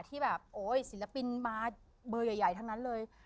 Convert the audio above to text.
ที่แบบโอ๊ยศิลปินมาเบอร์ใหญ่ทั้งนั้นเลย